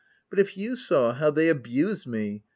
But if you saw how they abuse me?